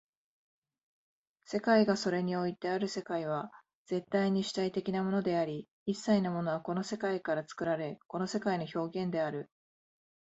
世界がそれにおいてある世界は絶対に主体的なものであり、一切のものはこの世界から作られ、この世界の表現である。